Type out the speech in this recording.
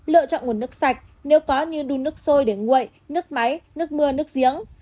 lựa chọn nguồn nước sạch nếu có như đun nước sôi để nguội nước máy nước mưa nước giếng